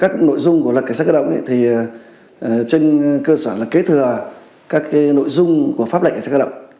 các nội dung của luật cảnh sát cơ động thì trên cơ sở là kế thừa các nội dung của pháp lệnh cảnh sát cơ động